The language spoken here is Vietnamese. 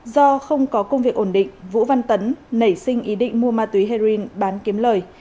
do không có công việc ổn định vũ văn tấn nảy sinh ý định mua ma túy heroin bán kiếm lời